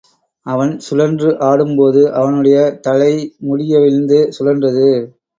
அவன் சுழன்று ஆடும்போது அவனுடைய தலைமுடியவிழ்ந்து சுழன்றது.